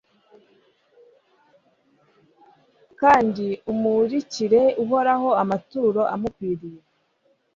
kandi umurikire uhoraho amaturo amukwiriye